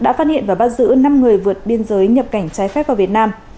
đã phát hiện và bắt giữ năm người vượt biên giới nhập cảnh trái phép vào việt nam